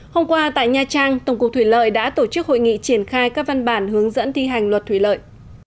hôm qua tại nha trang tổng cục thủy lợi đã tổ chức hội nghị triển khai các văn bản hướng dẫn thi hành luật thủy lợi